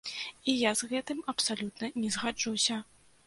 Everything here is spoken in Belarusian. І я з гэтым абсалютна не згаджуся.